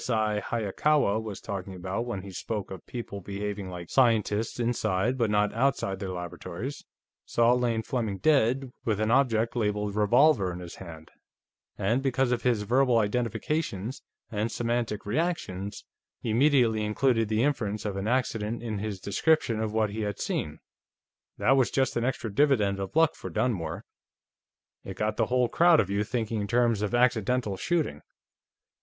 I. Hayakawa was talking about when he spoke of people behaving like scientists inside but not outside their laboratories, saw Lane Fleming dead, with an object labeled 'revolver' in his hand, and, because of his verbal identifications and semantic reactions, immediately included the inference of an accident in his description of what he had seen. That was just an extra dividend of luck for Dunmore; it got the whole crowd of you thinking in terms of accidental shooting.